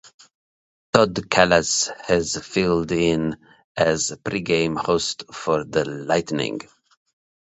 Todd Kalas has filled in as pregame host for the Lightning.